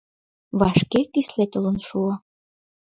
Вашке кӱсле толын шуо.